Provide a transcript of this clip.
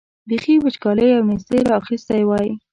بېخي وچکالۍ او نېستۍ را اخیستي وای.